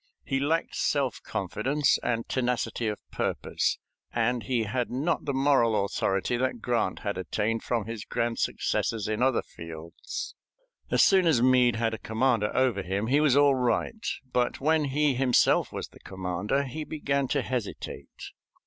He lacked self confidence and tenacity of purpose, and he had not the moral authority that Grant had attained from his grand successes in other fields. As soon as Meade had a commander over him he was all right, but when he himself was the commander he began to hesitate.